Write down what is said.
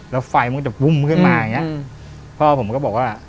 แล้วไฟมันก็จะปุ้มขึ้นมาพ่อผมก็บอกว่า